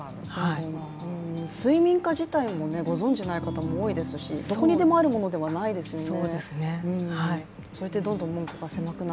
睡眠科自体もご存じない方も多いですしどこにでもあるものではないですよね。